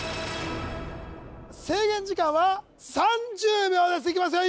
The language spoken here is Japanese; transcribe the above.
制限時間は３０秒ですいきますよ